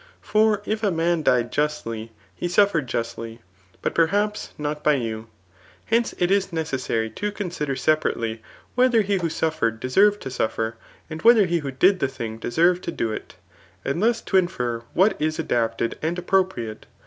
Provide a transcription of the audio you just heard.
For if a man died justly, he suffered justly ; but perhaps not by you. Hence it is necessary to consider separately, whether he who suffered deserved to suffer, and whether he who did the thing deserved to do it, and thus to infer what is adapted and appropriate.